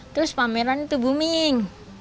terus pameran itu booming